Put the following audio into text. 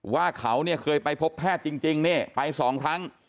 ว่าเขาเคยไปพบแพทย์จริงไป๒ครั้ง